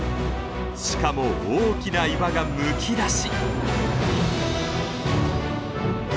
しかも大きな岩がむき出し。